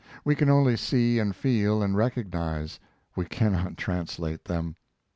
We can only see and feel and recognize; we cannot translate them.